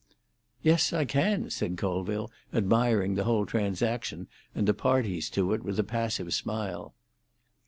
"Yes, I can," said Colville, admiring the whole transaction and the parties to it with a passive smile.